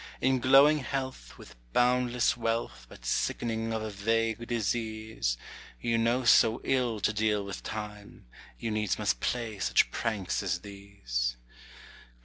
In glowing health, with boundless wealth, But sickening of a vague disease, You know so ill to deal with time, You needs must play such pranks as these.